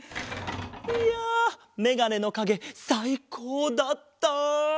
いやメガネのかげさいこうだった！